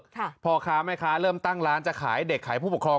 พ่อค้าแม่ค้าเริ่มตั้งร้านจะขายเด็กขายผู้ปกครอง